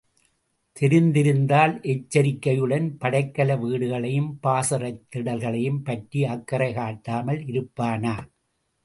தெரிந்திருந்தால், எச்சரிக்கையுடன் படைக்கல வீடுகளையும் பாசறைத் திடல்களையும் பற்றி அக்கறை காட்டாமல் இருப்பானா?